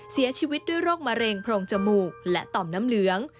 เสียชีวิตด้วยโรคมะเร็งโพรงจมูกและต่อมน้ำเหลือง